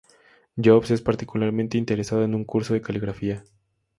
Jobs está particularmente interesado en un curso de caligrafía.